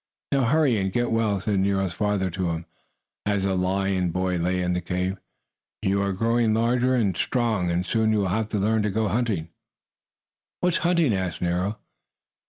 "Now hurry and get well," said Nero's father to him, as the lion boy lay in the cave. "You are growing large and strong, and soon you will have to learn to go hunting." "What's hunting?" asked Nero.